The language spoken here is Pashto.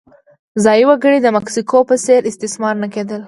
ځايي وګړي د مکسیکو په څېر استثمار نه کېدل.